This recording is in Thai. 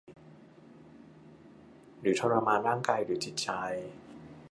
หรือทรมานร่างกายหรือจิตใจ